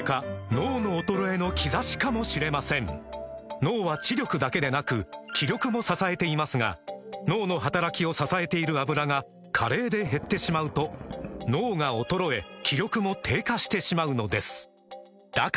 脳の衰えの兆しかもしれません脳は知力だけでなく気力も支えていますが脳の働きを支えている「アブラ」が加齢で減ってしまうと脳が衰え気力も低下してしまうのですだから！